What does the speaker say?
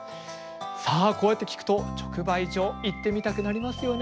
さあこうやって聞くと直売所行ってみたくなりますよね？